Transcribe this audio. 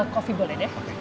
kopi boleh deh